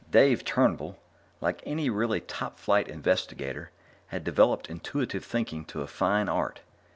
Dave Turnbull, like any really top flight investigator, had developed intuitive thinking to a fine art.